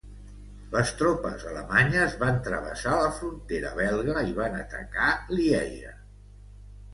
Les tropes alemanyes van travessar la frontera belga i van atacar Lieja.